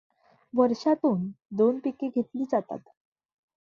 वर्षातून दोन पिके घेतली जातात.